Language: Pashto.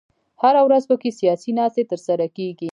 هره ورځ په کې سیاسي ناستې تر سره کېږي.